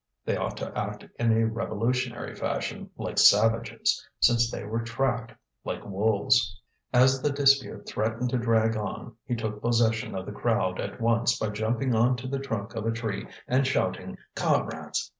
They ought to act in a revolutionary fashion, like savages, since they were tracked like wolves. As the dispute threatened to drag on, he took possession of the crowd at once by jumping on to the trunk of a tree and shouting: "Comrades!